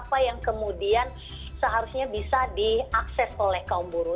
apa yang kemudian seharusnya bisa diakses oleh kaum buruh